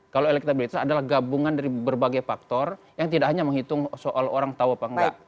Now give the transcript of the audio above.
kalau elektabilitas adalah gabungan dari berbagai faktor yang tidak hanya menghitung soal orang tahu apa enggak